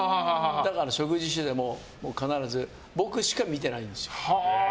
だから食事してても必ず僕しか見てないんですよ。